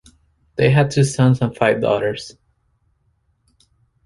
They had two sons and five daughters.